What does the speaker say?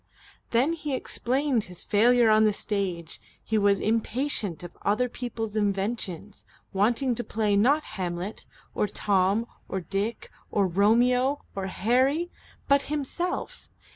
Then he explained his failure on the stage. He was impatient of other people's inventions, wanting to play not Hamlet or Tom or Dick or Romeo or Harry, but himself.